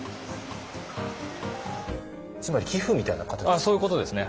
つまり寄付みたいな形ですか？